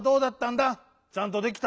ちゃんとできたのか？